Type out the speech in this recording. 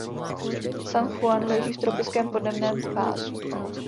San Juan leží v tropickém podnebném pásu.